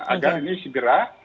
agar ini segera